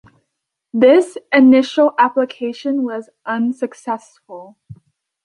This initial application was unsuccessful.